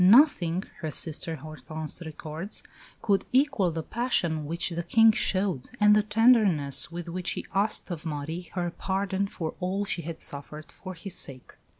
"Nothing," her sister Hortense records, "could equal the passion which the King showed, and the tenderness with which he asked of Marie her pardon for all she had suffered for his sake."